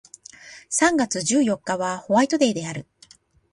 三月十四日はホワイトデーである